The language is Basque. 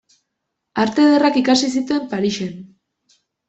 Arte ederrak ikasi zituen Parisen.